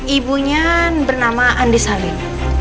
ibunya bernama andi salim